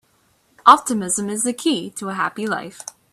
Optimism is the key to a happy life.